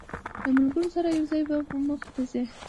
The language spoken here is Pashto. له ملګرو سره یو ځای به موخې ته ځی.